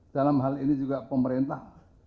dalam hal ini juga pemerintah